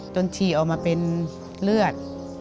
จนชีออกมาเป็นเลือด